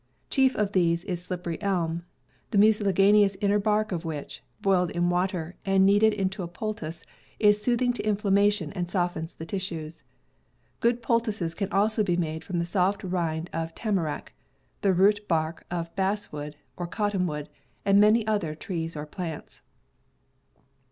Chief of these is slippery elm, the mucilag inous inner bark of which, boiled in water and kneaded into a poultice, is soothing to inflammation and softens the tissues. Good poultices can also be made from the soft rind of tamarack, the root bark of basswood or Cottonwood, and many other trees or plants.